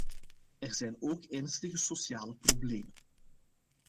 Er zijn ook ernstige sociale problemen.